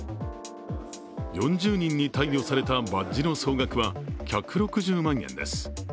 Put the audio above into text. ４０人に貸与されたバッジの総額は１６０万円です。